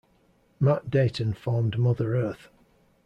Matt Deighton formed Mother Earth.